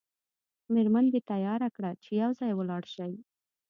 میرمن دې تیاره کړه چې یو ځای ولاړ شئ.